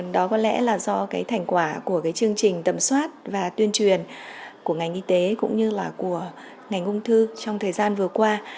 đó có lẽ là do cái thành quả của cái chương trình tẩm soát và tuyên truyền của ngành y tế cũng như là của ngành ung thư trong thời gian vừa qua